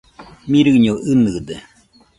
Mirɨño ɨnɨde.